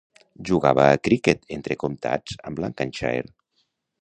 Jugava a criquet entre comtats amb Lancashire.